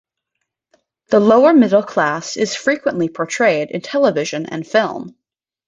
The lower-middle class is frequently portrayed in television and film.